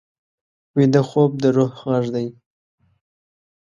ویده خوب د روح غږ دی